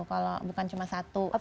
kalau bukan cuma satu sendi gitu